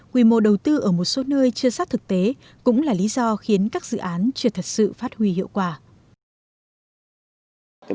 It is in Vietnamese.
quy mô đầu tư ở một số nơi chưa sát thực tế cũng là lý do khiến các dự án chưa thật sự phát huy hiệu quả